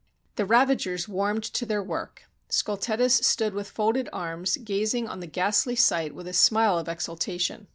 The ravagers warmed to their work. Scultetus stood with folded arms gazing on the ghastly sight with a smile of exultation.